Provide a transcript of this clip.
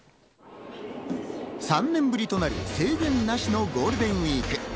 ３年ぶりとなる、制限なしのゴールデンウイーク。